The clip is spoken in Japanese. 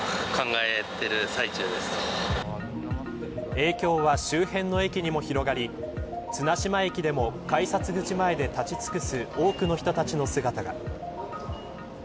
影響は周辺の駅にも広がり綱島駅でも改札口前で立ち尽くす多くの人たちの姿が。